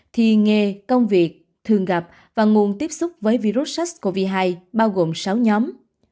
thì nghề công việc thường gặp và nguồn tiếp xúc với virus sars cov hai bao gồm sáu nhóm